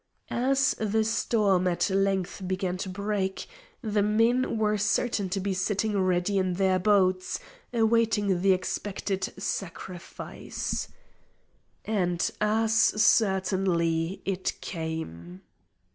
As the storm at length began to break, the men were certain to be sitting ready in their boats, awaiting the expected "sacrifice." And as certainly it came.